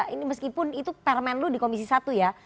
ini meskipun itu permen lu di komisi satu ya